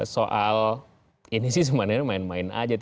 soal ini sih sebenarnya main main aja